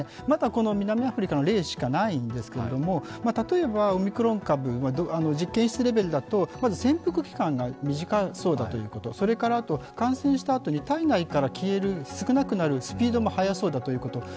まだ南アフリカの例しかないんですが、例えばオミクロン株、実験室レベルだと、まず潜伏期間が短そうだということ、それからあと感染したあとに体内から消える、少なくなるスピードも速そうだということ。